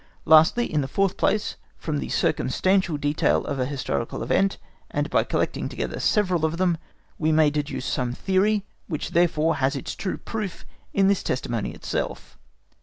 Lastly, in the fourth place, from the circumstantial detail of a historical event, and by collecting together several of them, we may deduce some theory, which therefore has its true proof in this testimony itself.